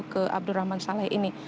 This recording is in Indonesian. ke abdurrahman saleh ini